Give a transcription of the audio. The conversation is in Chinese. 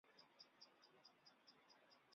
你知不知道明天就要开拍了